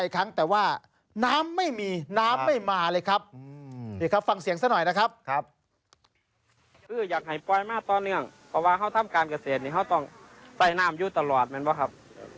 เขาฟังเสียงสักหน่อยนะครับ